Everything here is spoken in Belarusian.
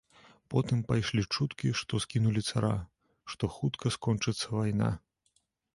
Потым пайшлі чуткі, што скінулі цара, што хутка скончыцца вайна.